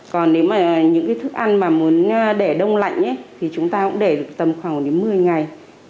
còn nếu mà những cái thức ăn mà muốn để đông lạnh thì chúng ta cũng để được tầm khoảng đến một mươi ngày